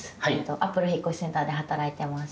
アップル引越センターで働いてます